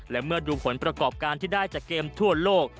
และเมื่อดูผลประกอบการที่ได้จากเกมทั่วโลก